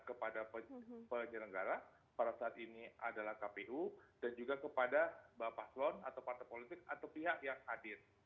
kepada penyelenggara pada saat ini adalah kpu dan juga kepada bapak slon atau partai politik atau pihak yang hadir